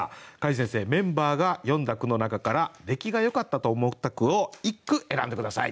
櫂先生メンバーが詠んだ句の中から出来がよかったと思った句を１句選んで下さい。